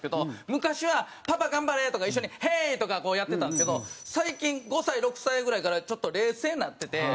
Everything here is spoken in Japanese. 昔は「パパ頑張れ！」とか一緒に「ヘイ！」とかこうやってたんですけど最近５歳６歳ぐらいからちょっと冷静になってて。